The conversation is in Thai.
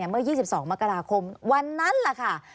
เมื่อ๒๒มกราคมวันนั้นแหละค่ะ